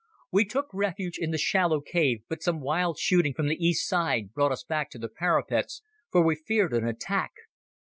We took refuge in the shallow cave, but some wild shooting from the east side brought us back to the parapets, for we feared an attack.